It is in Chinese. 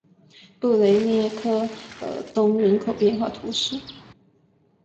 布雷涅科尔东人口变化图示